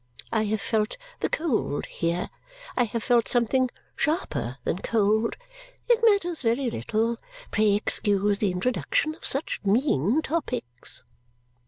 I have felt the cold here. I have felt something sharper than cold. It matters very little. Pray excuse the introduction of such mean topics."